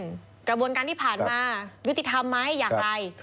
กระบวนการที่ผ่านมายุติธรรมไหมอย่างไร